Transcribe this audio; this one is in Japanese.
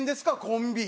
コンビ。